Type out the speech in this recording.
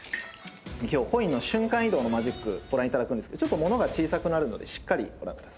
今日コインの瞬間移動のマジックご覧いただくんですけどちょっと物が小さくなるのでしっかりご覧ください。